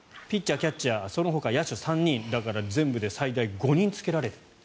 ピッチャー、キャッチャーそのほか野手３人だから全部で最大５人つけられる。